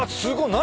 何？